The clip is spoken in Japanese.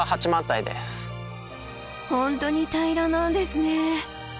本当に平らなんですね。